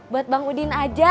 buat bang udin aja